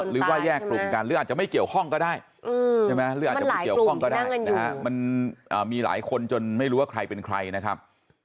หรือว่าแยกกลุ่มกันหรืออาจจะไม่เกี่ยวข้องก็ได้ใช่ไหมหรืออาจจะไม่เกี่ยวข้องก็ได้นะฮะมันมีหลายคนจนไม่รู้ว่าใครเป็นใครนะครับ